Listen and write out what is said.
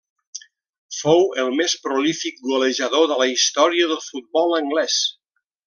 Fou el més prolífic golejador de la història del futbol anglès.